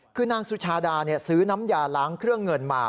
คือนางสุชาดาซื้อน้ำยาล้างเครื่องเงินมา